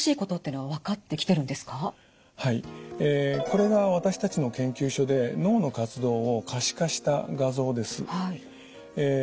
はいこれが私たちの研究所で脳の活動を可視化した画像です。